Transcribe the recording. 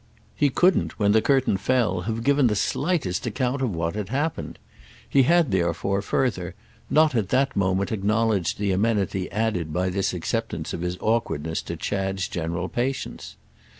He couldn't when the curtain fell have given the slightest account of what had happened. He had therefore, further, not at that moment acknowledged the amenity added by this acceptance of his awkwardness to Chad's general patience.